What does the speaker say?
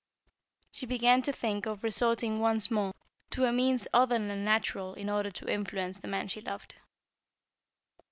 She began to think of resorting once more to a means other than natural in order to influence the man she loved.